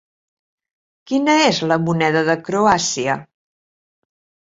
Quina és la moneda de Croàcia?